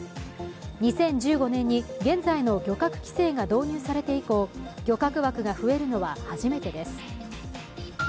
２０１５年に現在の漁獲規制が導入されて以降漁獲枠が増えるのは初めてです。